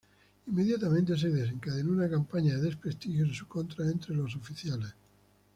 Inmediatamente se desencadenó una campaña de desprestigio en su contra entre los oficiales.